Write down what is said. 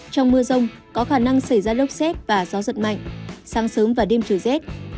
trong mưa rông có khả năng xảy ra lốc xét và gió giật mạnh sáng sớm và đêm trời rét